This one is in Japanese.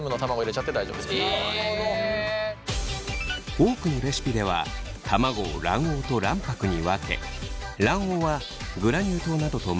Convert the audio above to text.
多くのレシピでは卵を卵黄と卵白に分け卵黄はグラニュー糖などと混ぜて生地に。